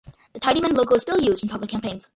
The "tidyman" logo is still used in public campaigns.